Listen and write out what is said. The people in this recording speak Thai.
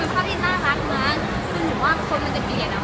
คุณทิศสุขทิศของคุณแม่อาจจะไม่ได้พยายาม